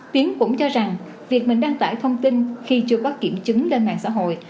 tiến cũng cho rằng việc mình đăng tải thông tin khi chưa có kiểm chứng lên mạng xã hội